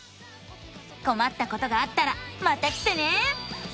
こまったことがあったらまた来てね！